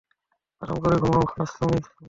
আরাম করে ঘুমাও, লাস্যময়ী লিনেট!